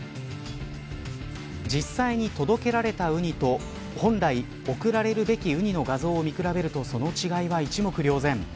実際に届けられたウニと本来送られるべきウニの画像を見比べるとその違いは一目瞭然。